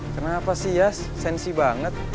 kenapa sih ya sensi banget